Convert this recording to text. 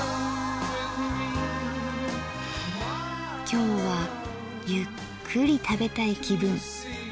今日はゆっくり食べたい気分。